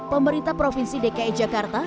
pemerintah provinsi dki jakarta